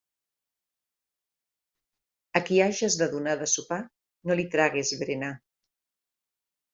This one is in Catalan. A qui hages de donar de sopar no li tragues berenar.